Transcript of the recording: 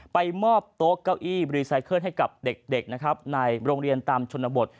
มอบโต๊ะเก้าอี้รีไซเคิลให้กับเด็กนะครับในโรงเรียนตามชนบท